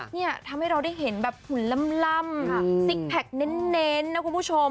เนี่ยทำให้เราได้เห็นแบบหุ่นล่ำซิกแพคเน้นนะคุณผู้ชม